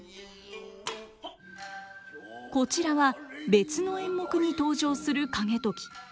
こちらは別の演目に登場する景時。